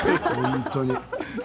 本当に。